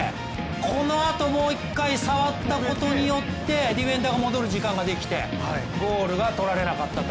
このあともう一回触ったことによってディフェンダーが戻る時間ができてゴールがとられなかったと。